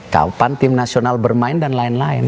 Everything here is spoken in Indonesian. kapan tim nasional bermain dan lain lain